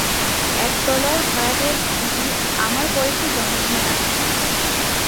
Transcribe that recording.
একতলার ভাড়াটের দুটি আমার বয়েসি যমজ মেয়ে আছে।